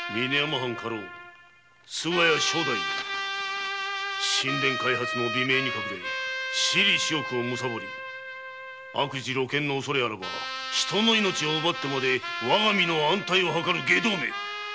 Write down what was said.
藩家老菅谷庄太夫新田開発の美名に隠れ私利私欲をむさぼり悪事露見の恐れあらば人の命を奪ってまで我が身の安泰を図る外道め！